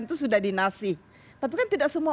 itu sudah di nasi tapi kan tidak semua